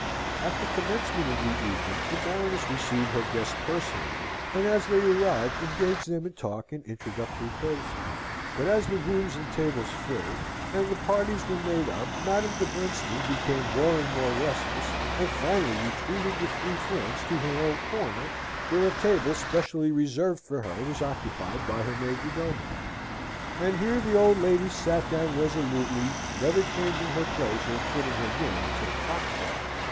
At the commencement of the evening the Baroness received her guests personally, and as they arrived engaged them in talk and introductory courtesies. But as the rooms and tables filled, and the parties were made up, Madame de Bernstein became more and more restless, and finally retreated with three friends to her own corner, where a table specially reserved for her was occupied by her major domo. And here the old lady sate down resolutely, never changing her place or quitting her game till cock crow.